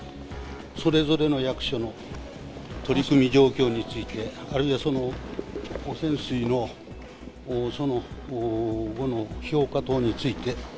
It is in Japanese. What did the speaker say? それぞれの役所の取り組み状況について、あるいはその汚染水の、そのごの評価等について。